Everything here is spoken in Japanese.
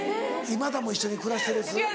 ・今田も一緒に暮らしてるやつ？